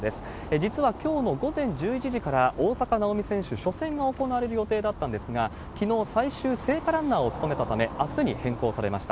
実はきょうの午前１１時から、大坂なおみ選手、初戦が行われる予定だったんですが、きのう、最終聖火ランナーを務めたため、あすに変更されました。